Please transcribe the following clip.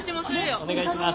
お願いします！